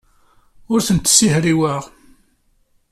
Ur tent-ssihriweɣ.